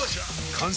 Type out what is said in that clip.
完成！